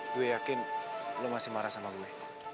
gue yakin lo masih marah sama gue